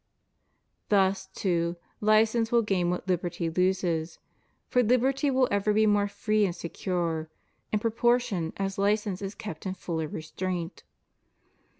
Thus, too, license will gain what hberty loses; for liberty will ever be more free and secure, in proportion as license is kept in fuller restraint.